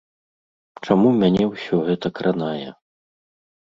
Чаму мяне ўсё гэта кранае?